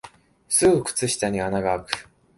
すぐ靴下に穴があく